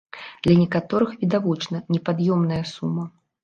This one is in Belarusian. Для некаторых, відавочна, непад'ёмная сума.